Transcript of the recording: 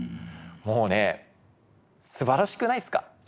もうねすばらしくないですか。